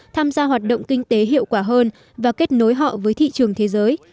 tham gia hoạt động kinh tế hiệu quả hơn và kết nối họ với thị trường thế giới